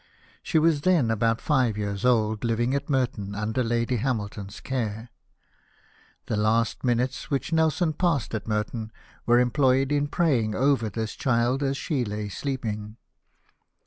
She was then about five years old, living at Merton, under Lady Hamilton's care. The last minutes which Nelson passed at Merton were employed in praying over this child as she lay sleeping.